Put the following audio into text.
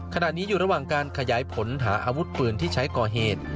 ขณะนี้อยู่ระหว่างการขยายผลหาอาวุธปืนที่ใช้ก่อเหตุ